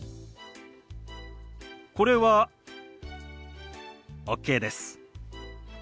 これはＯＫです。